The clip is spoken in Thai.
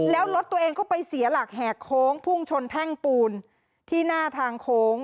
แล้วรถตัวเองก็ไปเสียหลักแหกโค้งพุ่งชนแท่งปูนที่หน้าทางโค้ง